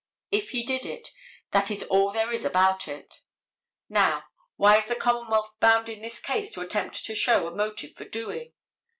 If he did it, that is all there is about it. Now, why is the commonwealth bound in this case to attempt to show a motive for doing?